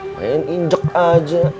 bayangin injek aja